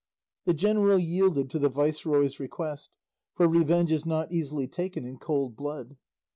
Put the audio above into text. The general yielded to the viceroy's request, for revenge is not easily taken in cold blood.